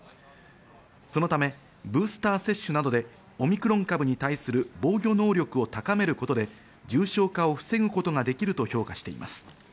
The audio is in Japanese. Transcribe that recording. そのため、ブースター接種などでオミクロン株に対する防御能力を高めることで、重症化を防ぐことができると評価しています。